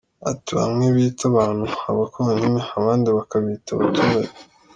Ati “Bamwe bita abantu Abakonyine abandi bakabita Abaturage.